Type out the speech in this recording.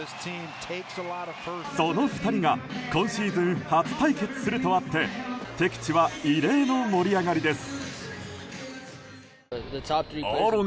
その２人が今シーズン初対決するとあって敵地は異例の盛り上がりです。